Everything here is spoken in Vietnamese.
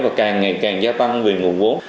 và càng ngày càng gia tăng về nguồn vốn